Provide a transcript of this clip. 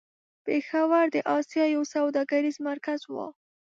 پېښور د آسيا يو سوداګريز مرکز و.